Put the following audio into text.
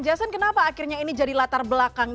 jason kenapa akhirnya ini jadi latar belakang